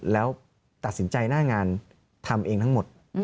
แล้วตัดสินใจหน้างานทำเองทั้งหมด